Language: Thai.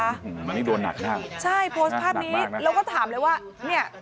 อันนี้โดนหนักมากใช่โพสต์ภาพนี้แล้วก็ถามเลยว่าเนี่ย